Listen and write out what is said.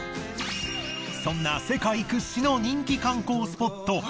そんな世界屈指の人気観光スポット